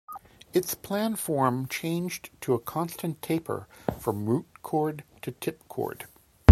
Its planform changed to a constant taper from root chord to tip chord.